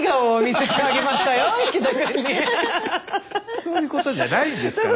そういうことじゃないんですから。